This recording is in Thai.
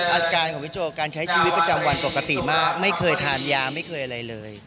อาการของพี่โจการใช้ชีวิตประจำวันปกติมากไม่เคยทานยาไม่เคยอะไรเลย